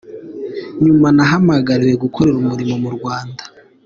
Nyuma nahamagariwe gukorera umurimo mu Rwanda.